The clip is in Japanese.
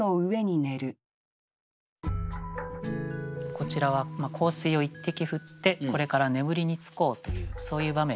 こちらは香水を一滴振ってこれから眠りにつこうというそういう場面だと思いますね。